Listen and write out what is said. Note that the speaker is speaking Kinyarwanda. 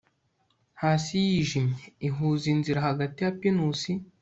Hasi yijimye ihuza inzira hagati ya pinusi